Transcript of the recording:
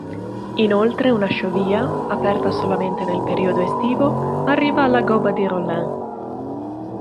Inoltre, una sciovia, aperta solamente nel periodo estivo, arriva alla "Gobba di Rollin".